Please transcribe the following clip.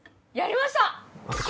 やりました！